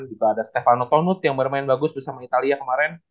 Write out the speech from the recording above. juga ada stefano tonut yang bermain bagus bersama italia kemarin